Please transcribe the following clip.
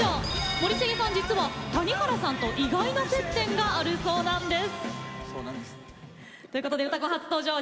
森重さん、実は谷原さんと意外な接点があるそうなんです。